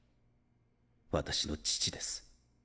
私の父です。